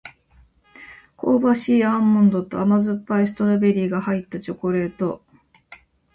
香ばしいアーモンドと甘酸っぱいストロベリーが入ったチョコレート